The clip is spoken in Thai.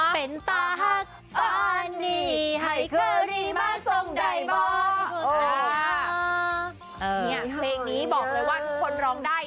เป็นตาหักป่านนี่ให้เคอรี่มาส่งได้บ่